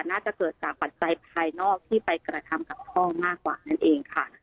น่าจะเกิดจากปัจจัยภายนอกที่ไปกระทำกับพ่อมากกว่านั่นเองค่ะ